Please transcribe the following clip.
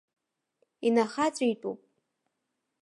Инахаҵәитәуп.